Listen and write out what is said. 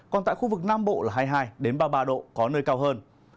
còn tại khu vực nam bộ là hai mươi hai ba mươi ba độ có nơi cao hơn